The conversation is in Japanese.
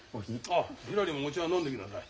あひらりもお茶飲んでいきなさい。